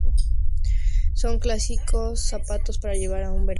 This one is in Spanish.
Son clásicos zapatos para llevar en verano o en latitudes templadas.